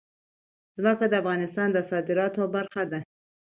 ځمکه د افغانستان د صادراتو برخه ده.